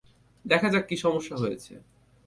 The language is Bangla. দেখা যাক কী সমস্যা হয়েছে।